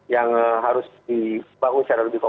yang harus dibangun secara lebih pokok lagi